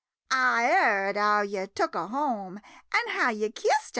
I yeard how yo' took her home, an' how yo* kissed her.